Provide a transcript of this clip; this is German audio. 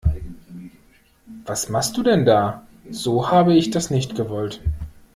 Was machst du denn da, so habe ich das nicht gewollt.